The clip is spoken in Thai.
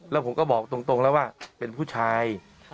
แล้วผมก็บอกตรงแล้วว่าเป็นผู้ชาย